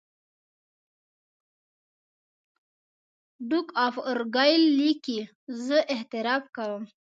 ډوک آف ارګایل لیکي زه اعتراف کوم.